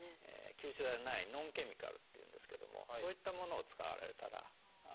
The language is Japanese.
吸収剤のない「ノンケミカル」って言うんですけどもそういったものを使われたらかぶれないと思います。